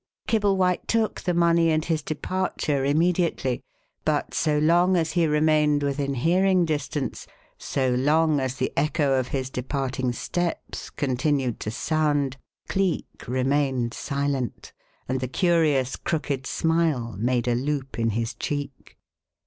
Kibblewhite took the money and his departure immediately; but so long as he remained within hearing distance so long as the echo of his departing steps continued to sound Cleek remained silent, and the curious crooked smile made a loop in his cheek.